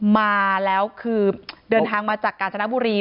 มาแล้วคือเดินทางมาจากกาญจนบุรี